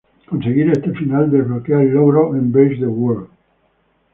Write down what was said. Conseguir este final desbloquea el logro "Embrace the void".